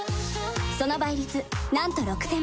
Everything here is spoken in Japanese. その倍率なんと６０００倍。